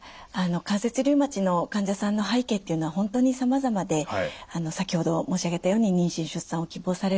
関節リウマチの患者さんの背景っていうのは本当にさまざまで先ほど申し上げたように妊娠・出産を希望される方